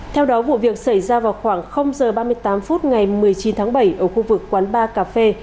theo đó vụ việc xảy ra vào khoảng h ba mươi tám phút ngày một mươi chín tháng bảy ở khu vực quán bar cà phê